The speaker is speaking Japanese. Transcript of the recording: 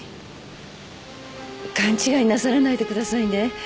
勘違いなさらないでくださいね。